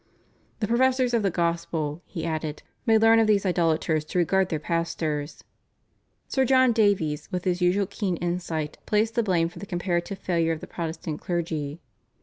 "The professors of the gospel," he added, "may learn of these idolators to regard their pastors." Sir John Davies with his usual keen insight placed the blame for the comparative failure of the Protestant clergy.